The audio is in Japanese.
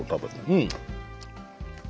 うん！